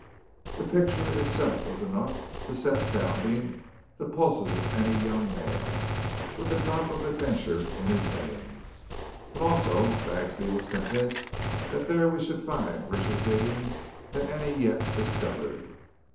The picture itself was enough to set bounding the pulses of any young man, with a drop of adventure in his veins. But also Bagsby was convinced that there we should find richer diggings than any yet discovered.